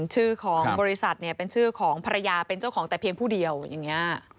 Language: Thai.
ชื่อของบริษัทเนี่ยเป็นชื่อของภรรยาเป็นเจ้าของแต่เพียงผู้เดียวอย่างนี้